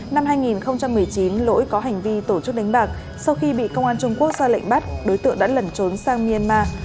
năm hai nghìn một mươi chín lỗi có hành vi tổ chức đánh bạc sau khi bị công an trung quốc ra lệnh bắt đối tượng đã lẩn trốn sang myanmar